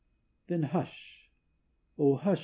Then, hush! oh, hush!